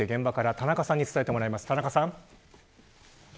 田中さん。